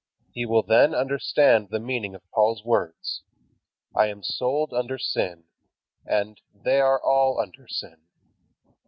He will then understand the meaning of Paul's words: "I am sold under sin"; and "they are all under sin."